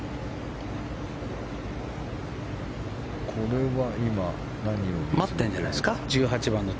これは、今、何を。待ってるんじゃないですか。